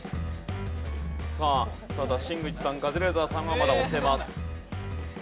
ただ新内さんカズレーザーさんはまだ押せます。